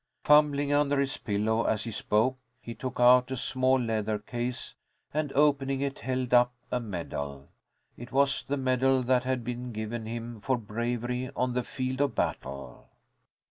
Fumbling under his pillow as he spoke, he took out a small leather case, and, opening it, held up a medal. It was the medal that had been given him for bravery on the field of battle.